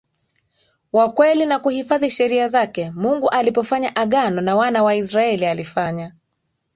wa kweli na kuhifadhi sheria zake Mungu alipofanya Agano na Wana wa Israel alifanya